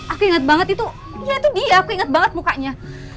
aku ingat banget itu dia aku inget banget mukanya